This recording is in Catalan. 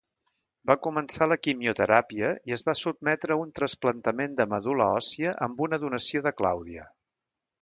Va començar la quimioteràpia, i es va sotmetre a un trasplantament de medul·la òssia amb una donació de Claudia.